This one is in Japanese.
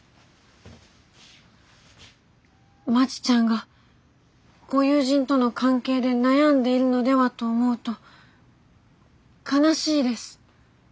まちちゃんがご友人との関係で悩んでいるのではと思うと悲しいです。